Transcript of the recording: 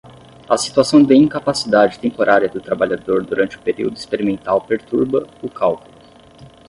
A situação de incapacidade temporária do trabalhador durante o período experimental perturba o cálculo.